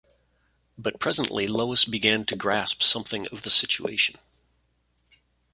But presently Lois began to grasp something of the situation.